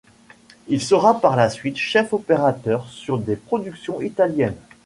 Il sera par la suite chef-opérateur sur des productions italiennes.